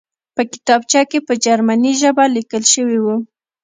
په کتابچه کې په جرمني ژبه لیکل شوي وو